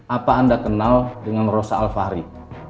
apa anda kenal dengan rosa alfahri